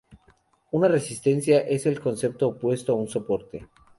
Una resistencia es el concepto opuesto a un soporte.